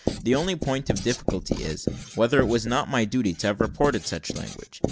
The only point of difficulty is, whether it was not my duty to have reported such language.